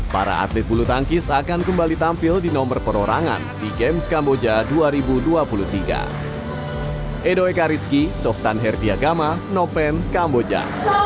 para atlet bulu tangkis akan kembali tampil di nomor perorangan sea games kamboja dua ribu dua puluh tiga